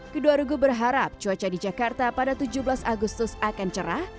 kedua regu berharap cuaca di jakarta pada tujuh belas agustus akan cerah